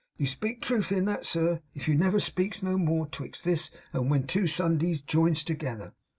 'You speak truth in that, sir, if you never speaks no more 'twixt this and when two Sundays jines together.